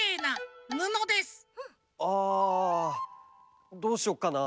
あどうしよっかな？